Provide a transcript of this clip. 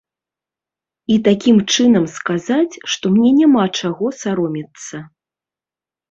І такім чынам сказаць, што мне няма чаго саромецца.